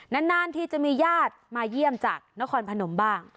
นานทีจะมีญาติมาเยี่ยมจากนครพนมบ้าง